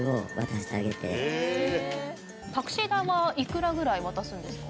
タクシー代はいくらぐらい渡すんですか？